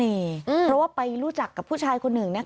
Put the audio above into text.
เพราะว่าไปรู้จักกับผู้ชายคนหนึ่ง